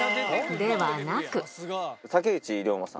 ではなく。